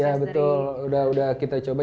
ya betul udah kita coba